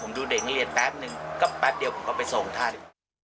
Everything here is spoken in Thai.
ผมดูเด็กนักเรียนแป๊บนึงก็แป๊บเดียวผมก็ไปส่งท่าน